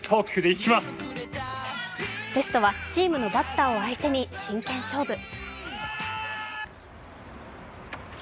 テストはチームのバッターを相手に真剣勝負。